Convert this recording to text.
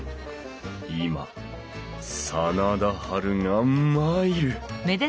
今真田ハルが参る！